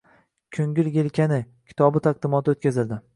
«Ko‘ngil yelkani» kitobi taqdimoti o‘tkazildi